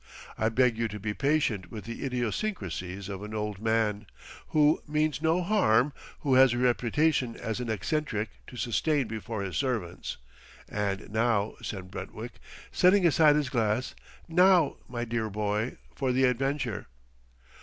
I beg you to be patient with the idiosyncrasies of an old man, who means no harm, who has a reputation as an eccentric to sustain before his servants.... And now," said Brentwick, setting aside his glass, "now, my dear boy, for the adventure."